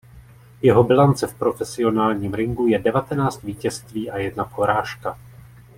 Jeho bilance v profesionálním ringu je devatenáct vítězství a jedna porážka.